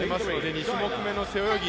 ２種目めの背泳ぎ